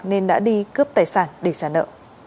nên đã đi cướp tài sản để trả nợ